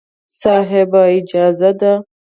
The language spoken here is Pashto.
صاحب! اجازه ده.